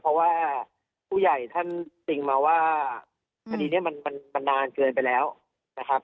เพราะว่าผู้ใหญ่ท่านติ่งมาว่าคดีนี้มันนานเกินไปแล้วนะครับ